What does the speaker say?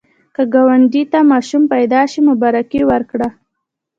که ګاونډي ته ماشوم پیدا شي، مبارکي ورکړه